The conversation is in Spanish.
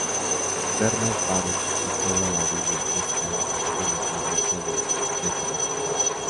Bernard Parish y todo a la orilla este de la parroquia de Plaquemines.